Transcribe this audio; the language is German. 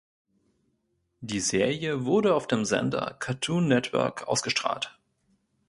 Die Serie wurde auf dem Sender Cartoon Network erstausgestrahlt.